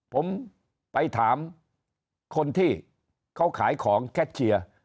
ผมไปถามคนที่เขาขายของแคทเชียร์